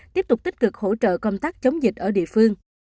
tiếp tục tích cực hỗ trợ công tác chống dịch ở địa phương